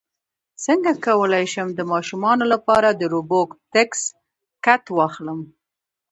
څنګه کولی شم د ماشومانو لپاره د روبوټکس کټ واخلم